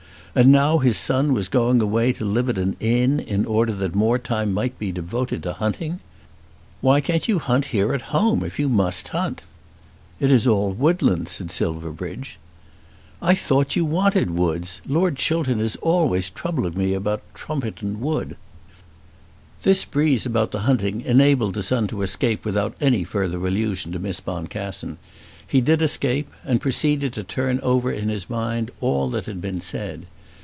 And now his son was going away to live at an inn in order that more time might be devoted to hunting! "Why can't you hunt here at home, if you must hunt?" "It is all woodland," said Silverbridge. "I thought you wanted woods. Lord Chiltern is always troubling me about Trumpington Wood." This breeze about the hunting enabled the son to escape without any further allusion to Miss Boncassen. He did escape, and proceeded to turn over in his mind all that had been said.